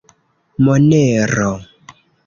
Monero.